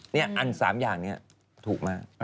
นี่อัน๓อย่างนี้ถูกมาก